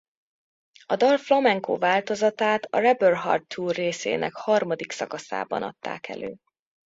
A dal flamenco változatát a Rebel Heart Tour részének harmadik szakaszában adták elő.